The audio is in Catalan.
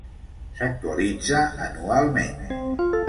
S'actualitza anualment.